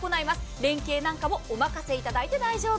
連携なんかもおまかせいただいて大丈夫。